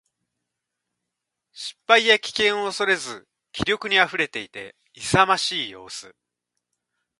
失敗や危険を恐れず気力に溢れていて、勇ましい様子。